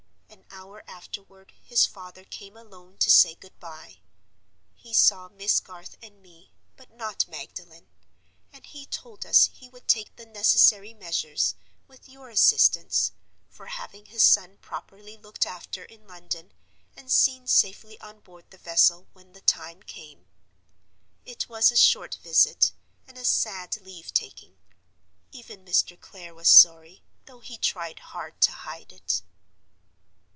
An hour afterward his father came alone to say good by. He saw Miss Garth and me, but not Magdalen; and he told us he would take the necessary measures, with your assistance, for having his son properly looked after in London, and seen safely on board the vessel when the time came. It was a short visit, and a sad leave taking. Even Mr. Clare was sorry, though he tried hard to hide it.